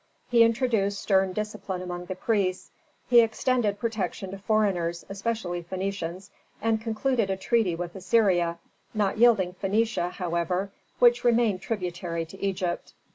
He introduced stern discipline among the priests; he extended protection to foreigners, especially Phœnicians, and concluded a treaty with Assyria, not yielding Phœnicia, however, which remained tributary to Egypt.